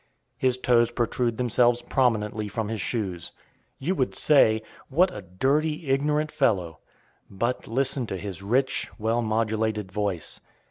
His toes protrude themselves prominently from his shoes. You would say, "What a dirty, ignorant fellow." But listen to his rich, well modulated voice.